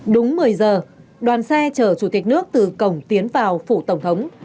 đúng một mươi giờ đoàn xe chở chủ tịch nước từ cổng tiến vào phủ tổng thống